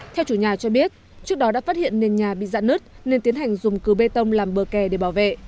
theo chủ nhà cho biết trước đó đã phát hiện nền nhà bị dạ nứt nên tiến hành dùng cửa bê tông làm bờ kè để bảo vệ